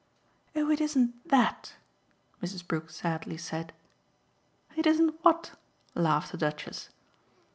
"Oh it isn't THAT," Mrs. Brook sadly said. "It isn't what?" laughed the Duchess.